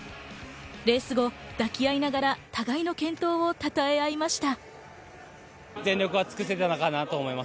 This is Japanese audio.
レース後、抱き合いながら互いの健闘をたたえ合いました。